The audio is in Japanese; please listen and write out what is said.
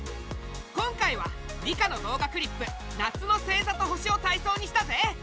今回は理科の動画クリップ「夏の星ざと星」をたいそうにしたぜ！